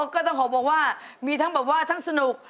ก็ต้องขอบอกว่ามีทั้งแบบว่าทั้งสนุก